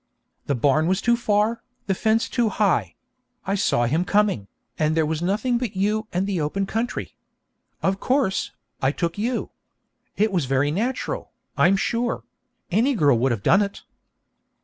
The barn was too far, the fence too high; I saw him coming, and there was nothing but you and the open country. Of course, I took you. It was very natural, I'm sure; any girl would have done it.'